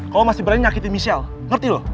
kalau masih berani nyakitin michelle ngerti lo